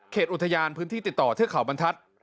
อุทยานพื้นที่ติดต่อเทือกเขาบรรทัศน์